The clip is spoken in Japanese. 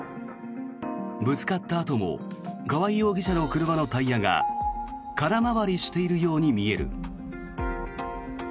ぶつかったあとも川合容疑者の車のタイヤが空回りしているように見える。